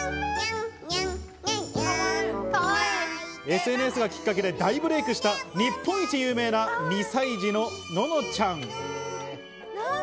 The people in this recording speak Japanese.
ＳＮＳがきっかけで大ブレイクした日本一有名な２歳児・ののちゃん。